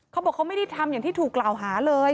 เขาบอกเขาไม่ได้ทำอย่างที่ถูกกล่าวหาเลย